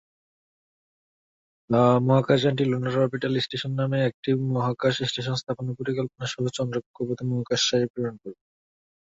মহাকাশযানটি lunar orbital station নামে একটি মহাকাশ স্টেশন স্থাপনের পরিকল্পনা সহ চন্দ্র কক্ষপথে মহাকাশচারী প্রেরণ করবে।